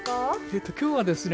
えと今日はですね